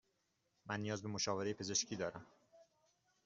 من نیاز به مشاوره پزشکی دارم.